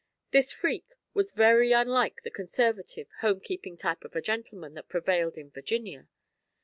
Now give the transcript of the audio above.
This Freke was very unlike the conservative, home keeping type of a gentleman that prevailed in Virginia.